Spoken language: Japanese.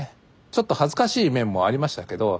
ちょっと恥ずかしい面もありましたけど